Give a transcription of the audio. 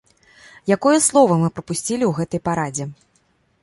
Якое слова мы прапусцілі ў гэтай парадзе?